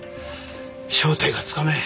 正体がつかめん。